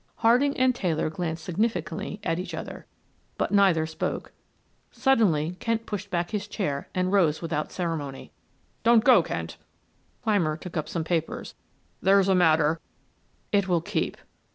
Harding and Taylor glanced significantly at each other, but neither spoke. Suddenly Kent pushed back his chair and rose without ceremony. "Don't go, Kent." Clymer took up some papers. "There's a matter " "It will keep."